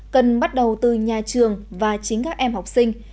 cần bắt đầu từ nhà trường và chính các em học sinh